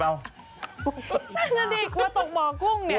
กลัวตกบ่อปุ้งเนี่ย